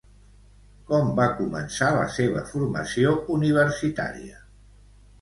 Com va començar la seva formació universitària?